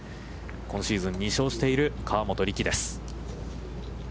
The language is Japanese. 今シーズン２勝している河本力です。